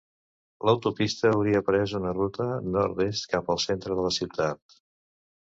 L'autopista hauria pres una ruta nord-est cap al centre de la ciutat.